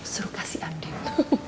suruh kasihan din